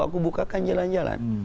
aku bukakan jalan jalan